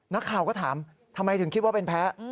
นักข่าวก็ถามทำไมถึงคิดว่าเป็นแพ้